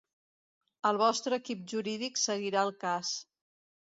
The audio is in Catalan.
El vostre equip jurídic seguirà el cas.